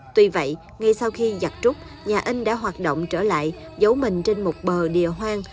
tuy vậy ngay sau khi giặt trúc nhà in đã hoạt động trở lại giấu mình trên một bờ địa hoang